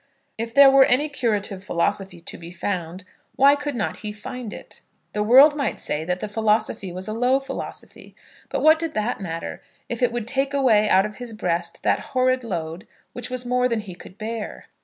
If there were any curative philosophy to be found, why could not he find it? The world might say that the philosophy was a low philosophy; but what did that matter, if it would take away out of his breast that horrid load which was more than he could bear?